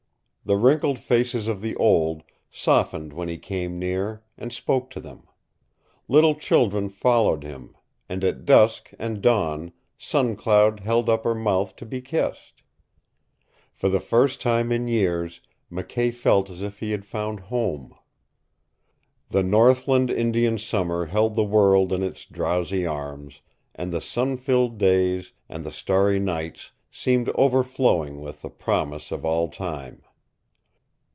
The wrinkled faces of the old softened when he came near and spoke to them; little children followed him, and at dusk and dawn Sun Cloud held up her mouth to be kissed. For the first time in years McKay felt as if he had found home. The northland Indian Summer held the world in its drowsy arms, and the sun filled days and the starry nights seemed overflowing with the promise of all time.